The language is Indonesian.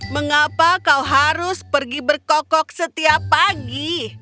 mengapa kau harus pergi berkokok setiap pagi